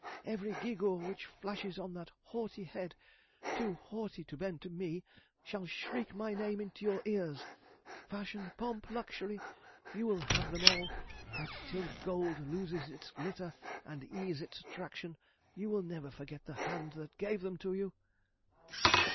Every gew gaw which flashes on that haughty head, too haughty to bend to me, shall shriek my name into your ears. Fashion, pomp, luxury, you will have them all; but till gold loses its glitter and ease its attraction you will never forget the hand that gave them to you!"